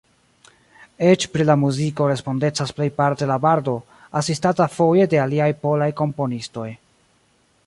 Eĉ pri la muziko respondecas plejparte la bardo, asistata foje de aliaj polaj komponistoj.